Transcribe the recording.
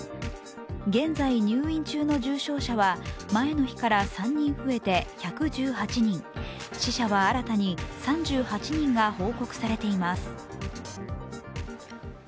現在入院中の重症者は前の日から３人増えて１１８人、死者は新たに３８人が報告されています。